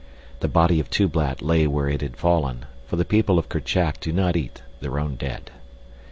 The body of Tublat lay where it had fallen, for the people of Kerchak do not eat their own dead.